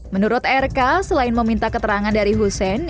menurut rk selain meminta keterangan dari hussein